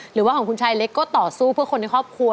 หรือว่าของคุณชายเล็กก็ต่อสู้เพื่อคนในครอบครัว